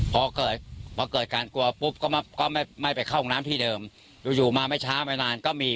พอเกิดพอเกิดการกลัวปุ๊บก็ไม่ก็ไม่ไปเข้าห้องน้ำที่เดิมอยู่อยู่มาไม่ช้าไม่นานก็มี